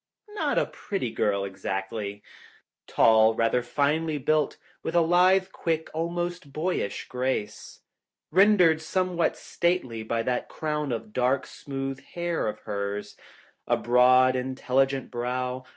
Not a pretty girl, exactly. Tall, rather finely built, with a lithe, quick, almost boyish grace. Rendered somewhat stately by that crown of dark, smooth hair of hers. A broad, intelligent brow.